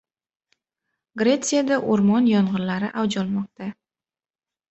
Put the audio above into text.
Gresiyada o‘rmon yong‘inlari avj olmoqda